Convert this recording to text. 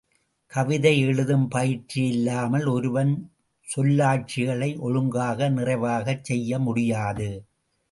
கவிதை எழுதும் பயிற்சி இல்லாமல் ஒருவன் சொல்லாட்சிகளை ஒழுங்காக, நிறைவாகச் செய்ய முடியாது.